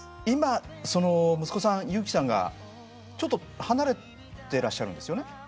今その息子さん祐輝さんがちょっと離れてらっしゃるんですよね。